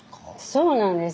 そうなんです。